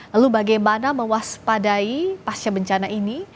lalu bagaimana mewaspadai pasca bencana ini